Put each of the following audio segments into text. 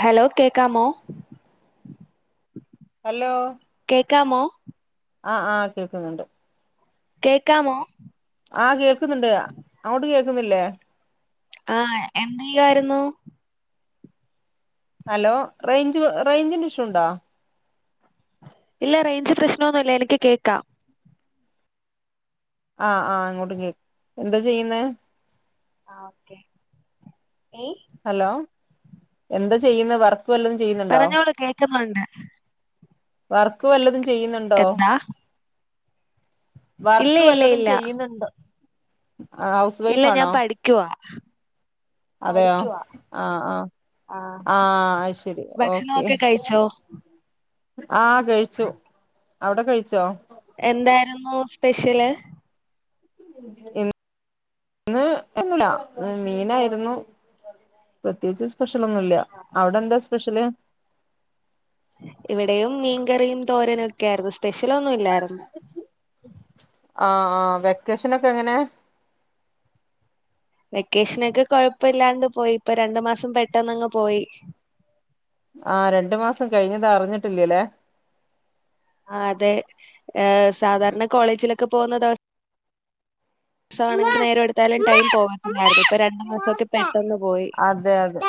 Hello കേക്കാമോ hello കേക്കാമോ ആഹ്ആഹ് കേക്കുന്നുണ്ട് കേക്കാമോ ആഹ് കേക്കുന്നുണ്ട് അങ്ങോട്ട് കേൾക്കുന്നില്ലേ ആഹ് എന്ത് ചെയ്യുവായിരുന്നു ഹലോ റേഞ്ച് റേഞ്ചിന്റെ ഇഷ്യൂ ഉണ്ട ഇല്ല റേഞ്ച് പ്രശ്നൊന്നും ഇല്ല എനിക്ക് കേൾക്കാം ആഹ് ആഹ് അങ്ങോട്ട് കേ എന്താ ചെയ്യുന്നെ ആഹ് ഓക്കെ ഏയ് ഹലോ എന്താ ചെയ്യുന്ന വർ പറഞ്ഞോളൂ കേക്കുന്നൊണ്ട് വർക്ക് വല്ലതും ചെയ്യുന്നുണ്ടോ ഇല്ല വർക്ക് ഇല്ല വല്ലതും ഇല്ല ചെയ്യുന്നുണ്ട് ഹൗസ് ഇല്ല വൈഫ് ഞാൻ ആണോ പഠിക്കുവാ അതെയോ പഠിക്കുവാ ആഹ് ആഹ് ആഹ് അയ് ശെരി ഓക്കെ ഭക്ഷണൊക്കെ കഴിച്ചോ ആഹ് കഴിച്ചു അവിടെ കഴിച്ചോ എന്താരുന്നു സ്പെഷ്യല് ഇന്ന് ഒന്നുല്ല മീനായിരുന്നു പ്രത്യേകിച്ച് സ്പെഷ്യൽ ഒന്നുംല്ല അവിടെ എന്താ സ്പെഷ്യല് ഇവിടെയും മീൻകറിയും തോരനും ഒക്കെ ആയിരുന്നു സ്പെഷ്യലൊന്നും ഇല്ലായിരുന്നു ആഹ ആ് വെക്കേഷനൊക്കെ എങ്ങനെ വെക്കേഷനൊക്കെ കൊഴപ്പില്ലാണ്ട് പോയി ഇപ്പം രണ്ടു മാസം പെട്ടന്നങ്ങ് പോയി ആഹ രണ്ടു മാസം കഴിഞ്ഞത് അറിഞ്ഞിട്ടില്ലല്ലേ ആഹ് അതെ ഏഹ് സാധാരണ കോളേജിലൊക്കെ പോകുന്ന ദിവസം മാസമാണെങ്കിൽ നേരം എടുത്താലും ടൈം പോകത്തില്ലായിരുന്നു ഇപ്പ രണ്ട മാസംക്കെ പെട്ടന്ന് പോയി അതെ അതെ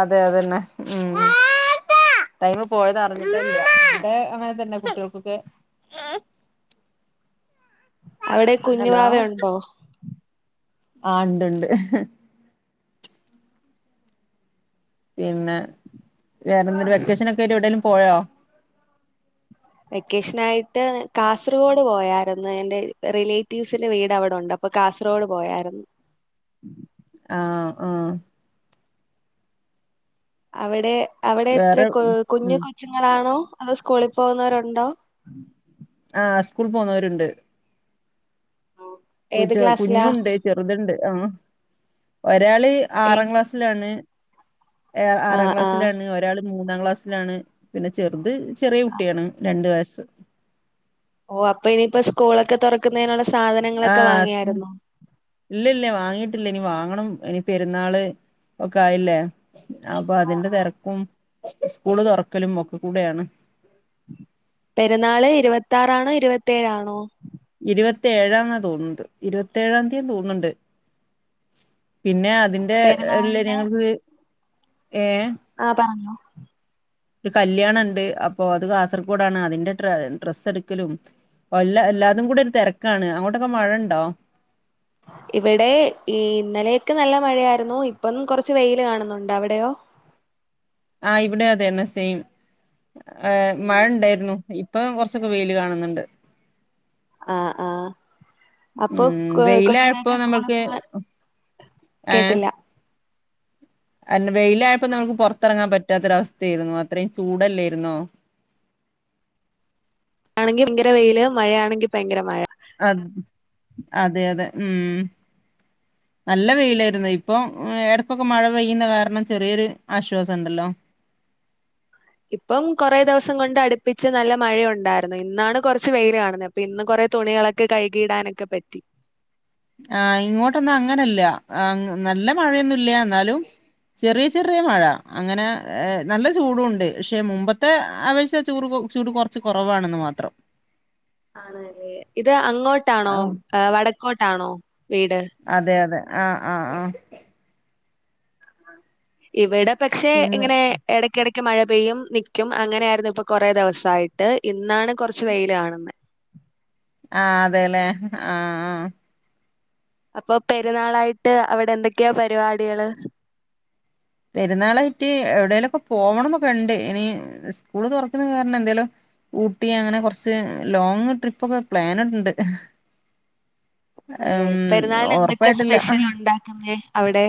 അതെ അതന്നെ ഉം ടൈമ പോയത് അറിഞ്ഞിട്ടെ ഇല്ല ഇവിടെ അങ്ങനെ തന്നെ കുട്ടികൾക്കൊക്കെ അവിടെ ഹലോ കുഞ്ഞുവാവ ഉണ്ടോ ആഹ് ഉണ്ട്ണ്ട് പിന്നെ വേറെന്തരു വെക്കേഷനൊക്കെ ആയിട്ട് എവിടെങ്കിലും പോയോ വെക്കേഷനായിട്ട് കാസർഗോഡ് പോയാരുന്നു എന്റെ റിലേറ്റീവ്സിന്റെ വീട് അവിടെണ്ട് അപ്പൊ അപ്പൊ കാസർഗോഡ് പോയാരുന്നു ആഹ് ആഹ് അവിടെ അവിടെ എത്ര വേറെ കൊ കുഞ്ഞു ഉം കൊച്ചുങ്ങളാണോ അതൊ സ്കൂളിൽ പോകുന്നവരുണ്ടോ ആഹ് സ്കൂളി പോന്നവരുണ്ട് ഏത് കുച്ച ക്ലാസ്സിലാ കുഞ്ഞുണ്ട് ചെറുതുണ്ട് ആ ഒരാള് ഏത് ആറാം ക്ലാ- ക്ലാസ്സിലാണ് ഏ ആ ആറാം ആ ക്ലാസ്സിലാണ് ഒരാള് മൂന്നാം ക്ലാസ്സിലാണ് പിന്നെ ചെറുത് ചെറിയ ആ. കുട്ടിയാണ് രണ്ടു വയസ്സ് ഓ അപ്പൊ ഇനിയിപ്പോ സ്കൂളൊക്കെ തുറക്കുന്നതിനുള്ള സാധനങ്ങളൊക്കെ ആഹ് ഹസ് വാങ്ങിയായിരുന്നോ ഇല്ല ഇല്ല വാങ്ങിട്ടില്ല ഇനി വാങ്ങണം ഇനി പെരുന്നാള് ഒക്കെ ആയില്ലേ അപ്പൊ ആ, അതിന്റെ ആ. തെരക്കും സ്കൂള് തുറക്കലും ഒക്കെ കൂടെയാണ് പെരുന്നാള് ഇരുപത്തി ആറാണോ ഇരുപത്തേഴ് ആണോ ഇരുപത്തി ഏഴാംന്നാ തോന്നുന്നത് ഇരുപത്ത ഏഴാം തീയന്ന് തോന്നുന്നുണ്ട് പിന്നെ അതിന്റെള്ള പെരുന്നാളിന് ഞങ്ങക്ക് ഏഹ് ആഹ പറഞ്ഞോ ഒരു കല്യാണ ഉണ്ട് അപ്പൊ അത് കാസർഗോഡാണ് അതിന്റെ ഡ്ര ഡ്രസ്സ് എടുക്കലും കൊല്ല എല്ലാതും കൂടി ഒരു തെരക്കാണ് അങ്ങോട്ടൊക്കെ മഴ ഉണ്ടോ ഇവിടെ ഈ ഇന്നലെയൊക്കെ നല്ല മഴയായിരുന്നു ഇപ്പം കൊറച്ച് വെയിൽ കാണുന്നുണ്ട് അവിടെയോ ആഹ് ഇവിടെ അതെന്നെ സെയിം എ മഴ ഉണ്ടായിരുന്നു പ്പം കൊർച്ചൊക്കെ വെയില് കാണുന്നുണ്ട് ആഹ് ആഹ് അപ്പൊ ഉം കൊ വെയിലായപ്പോ കൊച്ചുങ്ങക്ക് സ്കൂള് നമ്മൾക്ക് പോവാൻ കേട്ടില്ല കാരണം വെയിലായപ്പം നമ്മക്ക് പൊർത്തെർങ്ങാൻ പറ്റാത്തൊരവസ്തേർന്നു അത്രേം ചൂടല്ലേർന്നോ ആണെങ്കി ഭയങ്കര വെയിൽ മഴേണെങ്കി ഭയങ്കര മഴ അത് അതെ അതെ ഉം നല്ല വെയിലായിരുന്നു ഇപ്പം എടക്കൊക്കെ മഴ പെയ്യുന്ന കാരണം ചെറ്യോര് ആശ്വാസം ണ്ടല്ലോ പ്പം കൊറേ ദിവസം കൊണ്ട് അടുപ്പിച്ച് നല്ല മഴയുണ്ടായിരുന്നു ഇന്നാണ് കൊർച്ച് വെയിൽ കാണുന്നെ പിന്ന് കൊറേ തുണികളൊക്കെ കഴുകിയിടാനൊക്കെ പറ്റി ആഹ് ഇങ്ങോട്ടൊന്നും അങ്ങനല്ല നല്ല മഴയൊന്നുംല്ല ന്നാലും ചെറ്യെ ചെറ്യെ മഴ അങ്ങനെ നല്ല ചൂടുണ്ട് ക്ഷെ മുമ്പത്തെ അപേക്ഷിച്ച് ചൂറ് പോ ചൂട് കൊർച്ച് കൊറവാണെന്ന് മാത്രം ആണല്ലേ ഇത് അങ്ങോട്ടാണോ ആഹ് വടക്കോട്ടാണോ വീട് അതെ അതെ ആഹ് ആഹ് ആഹ് ഇവിടെ പക്ഷെ പിന്നെ ഇങ്ങനെ എടക്കെടക് ക്ക് മഴ പെയ്യും. നിക്ക്യും. അങ്ങനെ ആയിരുന്നു ഇപ്പൊ കൊറേ ദിവസായിട്ട്. ഇന്നാണ് കൊറ്ച്ച് വെയില് കാണുന്നെ. ആ അതെല്ലേ. ആഹ് അപ്പൊ പെരുന്നാളായിട്ട് അവിടെ എന്തൊക്കെ പരിപാടികള്. പെരുന്നാളായിറ്റ് എവിടേലൊക്കെ പോവണംന്നൊക്കെ ഇണ്ട്. ഇനി സ്കൂള് തൊർക്ക്ണെ കാരണം എന്തേലും. ഊട്ടി, അങ്ങനെ കൊർച്ച് ലോങ്ങ് ട്രിപ്പൊക്കെ പ്ലാന്ണ്ട്. ണല്ലേ. പെരുന്നാള്ന് എന്തൊക്കെ ഉറപ്പായിട്ടില്ല സ്പെഷ്യലുണ്ടാക്കുന്നേ അവ്ടെ.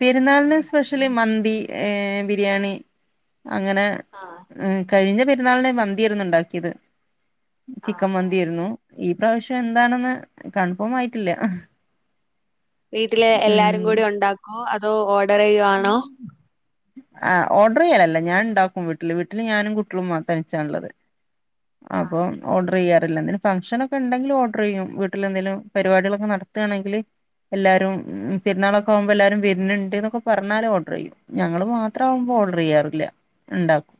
പെരുന്നാളിന് സ്പെഷ്യല് മന്തി, ഏ ബിരിയാണി, അങ്ങനെ ആഹ് ഉം. കഴിഞ്ഞ പെരുന്നാളിന് മന്തിയേർന്നു ഇണ്ടാക്കിയത്. ആഹ് ചിക്കൻ ആഹ് മന്തിയേര്ന്നു. ഈ പ്രാവശ്യം എന്താണെന്ന് കൺഫോമായിട്ടില്ല. വീട്ടിലെ എല്ലാരും കൂടി ഉണ്ടാക്കോ. അതോ ഓർഡറയ്യ്വാണൊ. ആ ഓർഡ്രയ്യലല്ല. ഞാൻ ഇണ്ടാക്കും. വീട്ടില് വീട്ടില് ഞാനും കുട്ട്യേളും മാ തനിച്ചാണ് ഇള്ളത്. അപ്പം ഓർഡ്രയ്യാറില്ലന്നിനും. ഫംഗ്ഷനൊക്കെ ഇണ്ടെങ്കില് ഓർഡ്രെയ്യും. വീട്ടില് എന്തേലും പരിപാട്യളൊക്കെ നടത്താണെങ്കില്. എല്ലാരും പെരുന്നാളൊക്കാവുമ്പോ എല്ലാരും വര്ന്ണ്ട് ഇന്നൊക്കെ പറഞ്ഞാല് ഓർഡ്രെയ്യും. ഞങ്ങള് മാത്രാവുമ്പോ ഓർഡ്രയ്യാറില്ല. ഇണ്ടാക്കും.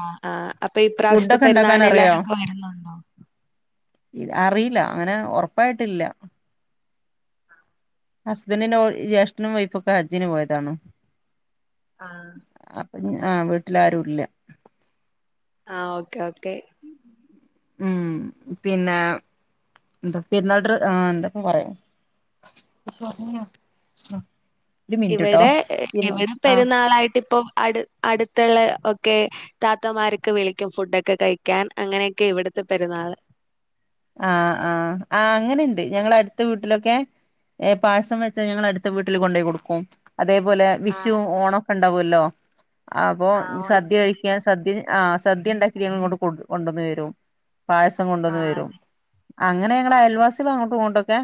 ആ ആ. അപ്പ ഇപ്രാവശ്യത്തെ പെരുന്നാളിന് എല്ലാരു അറിയോ ഒക്കെ വരുന്ന്ണ്ടോ. അറീല അങ്ങനെ ഒറപ്പായിട്ടില്ല. ഹസ്ബന്റിന്റെ ജേഷ്ഠനും വൈഫൊക്കെ ഹജ്ജിന് പോയതാണ്. ആഹ്. അപ്പ ഇഞ് ആ വീട്ടിലാരും ഇല്ല. ആ ഓക്കെ ഓക്കെ. ഉം. പിന്നെ എന്ത പെര്ന്നാൾഡ്ര എന്താപ്പ പറയാ. പർഞൊ. ഉം. ഇവടെ ഇവിടെ ആ പെരുന്നാളായിട്ട് ഇപ്പം അട് അടുത്തുള്ള ഒക്കെ. താത്തമാര്ക്ക് വിളിക്കും ഫുഡൊക്കെ കഴിക്കാൻ. അങ്ങനൊക്കെ ഇവിട്ത്തെ പെരുന്നാള്. ആഹ് ആഹ്. ആ അങ്ങനെ ഇണ്ട്. ഞങ്ങളെ അട്ത്തെ വീട്ടിലൊക്കെ. ഏഹ് പായസം വെച്ചാ ഞങ്ങള് അടുത്ത വീട്ടില് കൊണ്ടോയി കൊട്ക്കും. അതേപോലെ വിഷു ആഹ് ഓണോക്കെ ഇണ്ടാവൊല്ലോ. അപ്പൊ ആഹ് സദ്യ ഓണത്തിന് കഴിക്കാൻ. സദ്യ ആ സദ്യ ഇണ്ടാക്കിട്ട് ഞങ്ങള് ഇങ്ങട്ട് കൊണ്ട് കൊണ്ടന്ന് തരും. പായസം കൊണ്ടന്ന് ആഹ് തരും. അതെ അങ്ങനെ ഞങ്ങള് ആഹ് അയൽവാസ്യേള് അങ്ങട്ടു ഇങ്ങട്ടൊക്കെ.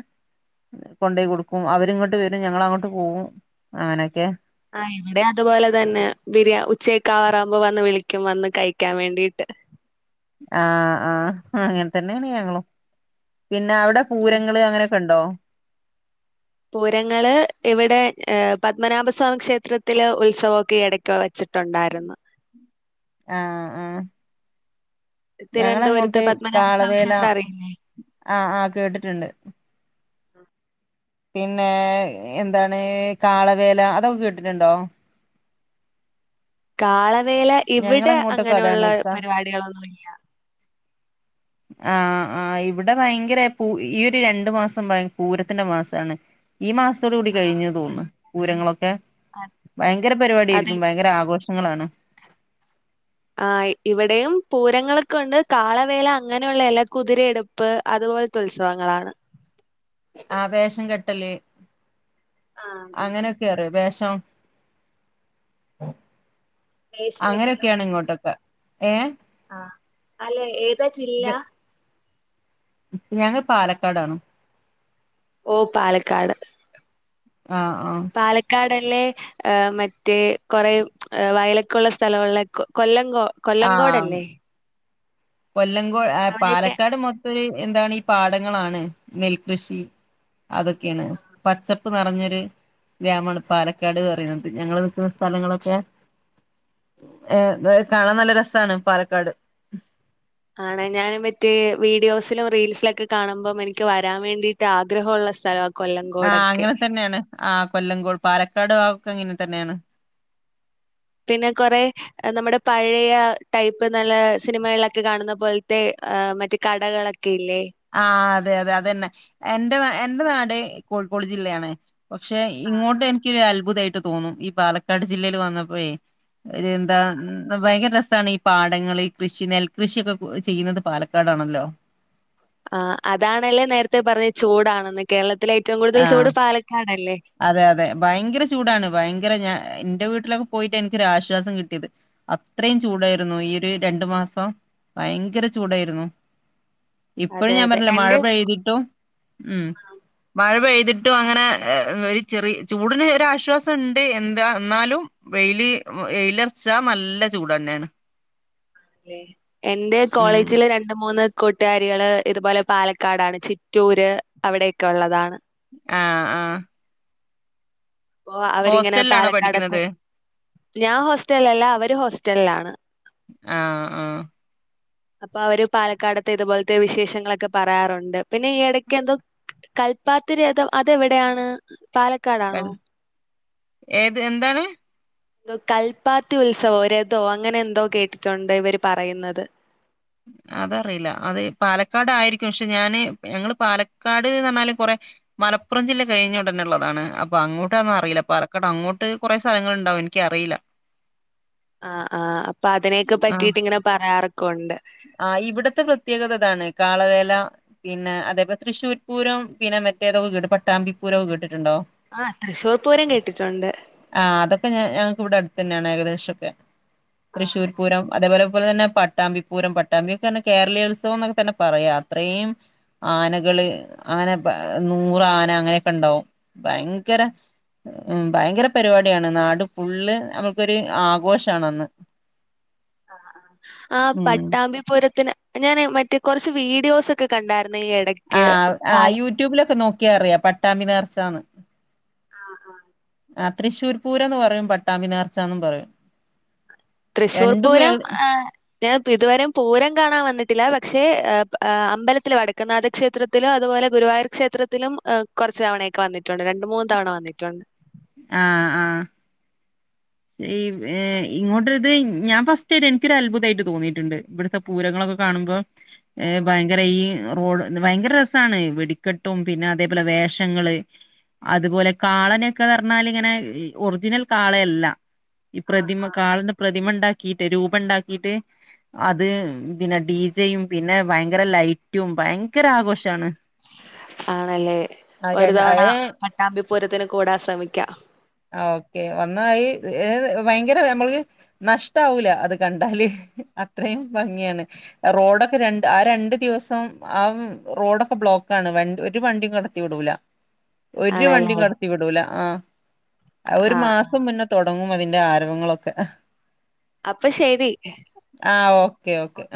കൊണ്ടയി കൊടുക്കും. അവരിങ്ങട്ട് വരും. ഞങ്ങളങ്ങോട്ട് പോവും. അങ്ങനെയൊക്കെ. ആ ഇവിടെ അതുപോലെ തന്നെ. ബിരിയാ ഉച്ചയൊക്കാവാറാവുമ്പോ വന്ന് വിളിക്കും. വന്ന് കഴിക്കാൻ വേണ്ടിട്ട്. ആഹ് ആഹ്. അങ്ങൻതന്നേണ് ഞങ്ങളും. പിന്ന അവിടെ ഉം പൂരങ്ങള് അങ്ങനെ ക്കെ ഇണ്ടോ. പൂരങ്ങള് ഇവിടെ പത്മനാഭസ്വാമി ക്ഷേത്രത്തില് ഉത്സവൊക്കെ എടക്ക് വെച്ച് ട്ടുണ്ടായിരുന്നു. ആ ആ. തിരുവനന്തപുരത്ത് ഞങ്ങളങ്ങോട്ട് പത്മനാഭസ്വാമി കാളവേല - ക്ഷേത്രം അറിയില്ലേ? - ആ ആ. കേട്ട്ട്ട്ണ്ട് പിന്നെ എന്താണ് കാളവേല അതൊക്കെ കേട്ടിട്ടുണ്ടോ. കാളവേല ഇവിടെ ഞങ്ങളങ്ങോട്ടൊക്കെ അങ്ങനുള്ള അതാണ് ഇക്ക പരിപാടികളൊന്നും ഇല്ല. ആ ആ. ഇവിടെ ഭയങ്കര പൂ ഈ ഒരു രണ്ടു മാസം ഭ പൂരത്തിന്റെ മാസാണ്. ഈ മാസത്തോട് കൂടി കഴിഞ്ഞു തോന്ന്ണ്. പൂരങ്ങളൊക്കെ ആഹ് ഭയങ്കര പരിപാടി അതെ ആയിരിക്കും ഭയങ്കര ആഘോഷം ങ്ങളാണ്. ആ ഇവടെയും പൂരങ്ങളൊക്കെണ്ട് കാളവേല അങ്ങനെയുള്ള എല കുതിരെടു പ്പ് അതുപോൽത്തെ ഉത്സവങ്ങളാണ് ആ വേഷം കെട്ടല് ആഹ് അതെ അങ്ങനെ കേറ്യൊ വേഷം വേഷം കെട്ടലോ അങ്ങനൊക്കെയാണ് ഇങ്ങോട്ടൊക്കെ ഏഹ് ആഹ് അല്ല ഏതാ ജില്ല ഞങ്ങള് പാലക്കാടാണ് ഓ പാലക്കാട് ആ ആ പാല ക്കാടല്ലേ ഏഹ് മറ്റേ കൊറെ വയലൊക്കുള്ള സ്ഥല ഉള്ളെ കൊല്ലം കൊ കൊല്ലംങ്കോടല്ലേ കൊല്ലംങ്കോ അവിടെയൊക്കെ പാലക്കാട് മൊത്തൊര് എന്താണീ പാടങ്ങളാണ് നെൽകൃഷി അതൊക്കെണ് പച്ചപ്പ് നെറഞ്ഞൊര് ഗ്രാമാണ് പാലക്കാട് പറെന്നത് ഞങ്ങള് നിക്കുന്ന സ്ഥലങ്ങളൊക്കെ ഏഹ് കാണാൻ നല്ല രസാണ് പാലക്കാട് ആണ് ഞാന് മറ്റേ വീഡിയോസിലും റീൽസിലൊക്കെ കാണുമ്പം എനിക്ക് വരാൻ വേണ്ടീട്ട് ആഗ്രഹുള്ള സ്ഥലവാ ആഹ് കൊല്ലംകോടൊക്കെ അങ്ങനെ തന്നേണ് ആ കൊല്ലംങ്കോൾ പാലക്കാട് ഭാഗോക്കെ അങ്ങനെതന്നേണ് പിന്നെ കൊറെ നമ്മുടെ പഴയ ടൈപ്പ് നല്ല സിനിമകളിലൊക്കെ കാണുന്ന പോൽത്തെ മറ്റ് കടകളൊ ക്കില്ലേ ആ അതെ അതെ അതന്നെ എന്റെ എന്റെ നാട് കോഴിക്കോട് ജില്ലയാണ് പക്ഷെ ഇങ്ങോട്ടെനിക്കൊരു അത്ഭുതായിട്ട് തോന്നും ഈ പാലക്കാട് ജില്ലേൽ വന്നപ്പോയെ ഒര് ന്താ ഭയങ്കര രസാണ് പാടങ്ങൾ ഈ കൃഷി നെൽകൃഷ്യോക്കെ ചെയ്യുന്നത് പാലക്കാടാണല്ലോ ആ അതാണല്ലേ നേരത്തെ പറഞ്ഞത് ചൂടാണെന്ന് കേരളത്തിലെ ഏറ്റവും കൂടുതൽ ആഹ് ചൂട് പാലക്കാടല്ലേ അതെ അതെ ഭയങ്കര ചൂടാണ് ഭയങ്കര ഞാൻ ന്റെ വീട്ടിലൊക്കെ പോയിട്ട ഇന്ക്കൊരാശ്വാസം കിട്ടിയത് അത്രയും ചൂടായിരുന്നു ഈ ഒരു രണ്ടു മാസം ഭയങ്കര ചൂടായിരുന്നു ഇപ്പഴും അതെ ഞാൻ അതെ പറഞ്ഞിലേ മഴ എന്റെ പെയ്തിട്ടും ഉം മഴ പെയ്തിട്ടും അങ്ങനെ ഒരു ചെറി ചൂടിന് ഒരാശ്വാസണ്ട് എന്താ എന്നാലും വെയില് വെയിലൊർച്ച നല്ല ചൂടെന്നേണ് എന്റെ ഉം കോളേജില് ര ണ്ട് മൂന്ന് കൂട്ടാരികള് ഇതുപോലെ പാലക്കാടാണ് ചിറ്റൂര് അവിടെക്ക ഒള്ളതാണ് ആഹ് ആഹ് പ്പൊ അവരിങ്ങനെ ഹോസ്റ്റലിലാണോ പാലക്കാടത്ത് പഠിക്കുന്നത് ഞാൻ ഹോസ്റ്റൽലല്ല അവര് ഹോസ്റ്റൽലാണ് ആഹ് ആഹ് അപ്പവര് പാലക്കാടത്തെ ഇതുപോൽത്തെ വിശേഷങ്ങളൊക്കെ പറയാറുണ്ട് പിന്നെ ഈയിടക്കെന്തോ കൽപ്പാത്തിരേതം അതെവിടെയാണ് പാലക്കാടാണോ? കൽ ഏത് എന്താണ്? കൽപ്പാത്തി ഉത്സവോ രഥോ അങ്ങനെ എന്തോ കേട്ടിട്ടുണ്ട് ഇവര് പറയുന്നത് അതറിയില്ല അത് പാലക്കാടായിരിക്കും പക്ഷെ ഞാന് ഞങ്ങള് പാലക്കാട്ന്നർഞ്ഞാല് കൊറെ മലപ്പുറം ജില്ല കഴിഞ്ഞ് ഉടനെ ഉള്ളതാണ് അ അപ്പൊ അങ്ങോട്ടന്നറിയില്ല പാലക്കാട് അങ്ങോട്ട് കുറെ സ്ഥലങ്ങളുണ്ടാവും എനിക്കറിയില്ല ആഹ് ആഹ് അപ്പൊ അതിനെയൊക്കെ പറ്റിട്ട് ഇങ്ങനെ പറയാറൊക്കെ ഉണ്ട് ആഹ് ഇവിടത്തെ പ്രത്യേകത അതാണ് കാളവേല പിന്നെ അതേപോലെ തൃശൂർ പൂരം പിന്നെ മറ്റേതൊക്കെ കേട്ട് പട്ടാമ്പിപൂരൊക്കെ കേട്ടിട്ടുണ്ടോ ആഹ് തൃശ്ശൂർ പൂരം കേട്ടിട്ടുണ്ട് ആഹ് അതൊക്കെ ഞ ഞങ്ങക്ക് ഇവിടെ അടുത്ത് തന്നെയാണ് ഏകദേശവൊക്കെ ആഹ് തൃശൂർ പൂരം അതേപോലെ പോലെ പോലെ തന്നെ പട്ടാമ്പി പൂരം പട്ടാമ്പിയൊക്കെ തന്നെ കേരളീയോത്സവം എന്നൊക്കെ തന്നെ പറയാം അത്രയും ആനകള് അങ്ങനെ നൂറ് ആന അങ്ങനെയൊക്കെ ഉണ്ടാവും ഭയങ്കര ആഹ് ഉം ഭയങ്കര പരിപാടിയാണ് നാട് ഫുള്ള് നമ്മുക്കൊരു ആഘോഷാണ് അന്ന് ആഹ് ഉം പട്ടാമ്പിപൂരത്തിന് ഞാന് മറ്റേ കുറച്ച് വീഡിയോസ് ഒക്കെ കണ്ടായിരുന്നു ഈ ഇട ആഹ് ആഹ് യൂട്യൂബിലൊക്കെ നോക്കിയാ അറിയാം പട്ടാമ്പി നേർച്ചാന്ന് ആഹ് ആഹ് ആഹ് തൃശൂർ പൂരോന്ന് പറയും പട്ടാമ്പി നേർച്ചാന്നും പറയും തൃശ്ശൂർ രണ്ടും പൂരം മേൽ ആഹ് ഞാൻ ഇപ്പോ ഇതുവരെയും പൂരം കാണാൻ വന്നിട്ടില്ല പക്ഷെ അമ്പലത്തിൽ വടക്കുനാഥ ക്ഷേത്ര ത്തിലും അതുപോലെ ഗുരുവായൂർ ക്ഷേത്രത്തിലും കുറച്ച് തവണയൊക്കെ വന്നിട്ടുണ്ട് രണ്ട് മൂന്ന് തവണ വന്നിട്ടുണ്ട് ആഹ് ആഹ് ഈ ഏ ഇങ്ങോട്ടിത് ഞാൻ ഫസ്റ്റായിട്ട് എനിക്കൊരു അത്ഭുതായിട്ട് തോന്നിയിട്ടുണ്ട് ഇവിടുത്തെ പൂരങ്ങളൊക്കെ കാണുമ്പോ ഏ ഭയങ്കര ഈ റോഡ്‌ ഭയങ്കര രസാണ് വെടിക്കെട്ടും പിന്നെ അതേപോലെ വേഷങ്ങള് അത് പോലെ കാളേനെയൊക്കെ പറഞ്ഞാല് ഇങ്ങനെ ഒറിജിനൽ കാളയല്ല ഈ ആഹ് പ്രതിമ ആഹ് കാളേന്റെ പ്രതിമ ഉണ്ടാക്കിയിട്ട് രൂപം ഉണ്ടാക്കിയിട്ട് അത് പിന്നെ ഡി ജെയും പിന്നെ ഭയങ്കര ലൈറ്റും ഭയങ്കര ആഘോഷവാണ് ആണല്ലേ ഒരു രണ്ട് തവണ അത് പട്ടാമ്പി പൂരത്തിന് കൂടാൻ ശ്രമിക്കാം ആഹ് ഓക്കെ വന്നാ ഈ ഏ ഭയങ്കര നമ്മൾക്ക് നഷ്ടാവൂല അത് കണ്ടാല് അത്രയും ഭംഗിയാണ് റോഡൊക്കെ രണ്ട് ആ രണ്ട് ദിവസം ആഹ് റോഡൊക്കെ ബ്ലോക്കാണ് വണ്ടി ഒരു വണ്ടിയും കടത്തി വിടൂല ഒരു വണ്ടിയും ആണല്ലേ കടത്തി വിടൂല ആഹ് ഒരു ആഹ് ആഹ് മാസം മുന്നേ തുടങ്ങും അതിന്റെ ആരവങ്ങളൊക്കെ അപ്പൊ ശരി ആഹ് ഓക്കെ ഓക്കെ